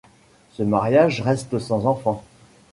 Ce mariage reste sans enfant.